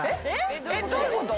えっ？どういうこと？